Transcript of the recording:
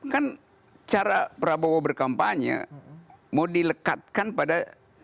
kan cara prabowo berkampanye mau dilekatkan pada